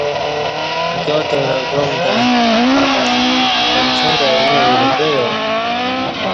امکیاں تروں گعام تہ منچاں تہ اینہ وری پعیا۔